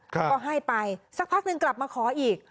ก็ให้ไปสักพักหนึ่งกลับมาขออีก